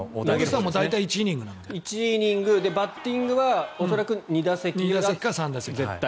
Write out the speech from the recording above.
１イニングでバッティングは恐らく２打席が絶対。